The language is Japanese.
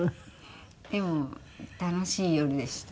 でも楽しい夜でした。